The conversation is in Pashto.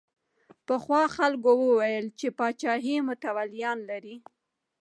پخوا خلکو ویل چې پاچاهي متولیان لري.